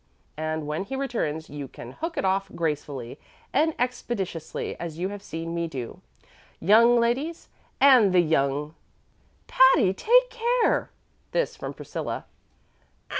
and when he returns you can hook it off gracefully and expeditiously as you have seen me do, young ladies, and the young " "Patty, take care!" This from Priscilla.